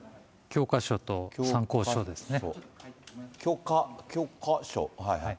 教科書、参考書ですね。